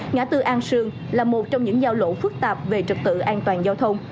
ngã tư an sương là một trong những giao lộ phức tạp về trật tự an toàn giao thông